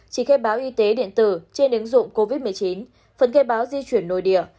chỉ khai báo y tế điện tử trên ứng dụng covid một mươi chín phần khai báo di chuyển nội địa